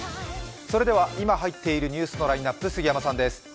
それでは、今入っているニュースのラインナップ、杉山さんです。